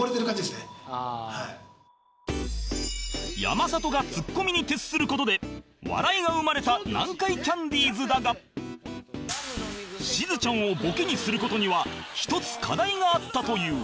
山里がツッコミに徹する事で笑いが生まれた南海キャンディーズだがしずちゃんをボケにする事には１つ課題があったという